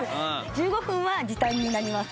１５分は時短になります